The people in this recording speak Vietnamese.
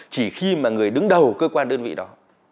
chỉ khi mà người đứng đầu cơ quan đơn vị đó